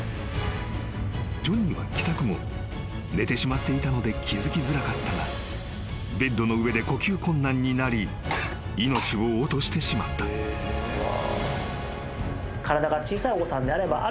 ［ジョニーは帰宅後寝てしまっていたので気付きづらかったがベッドの上で呼吸困難になり命を落としてしまった］後は。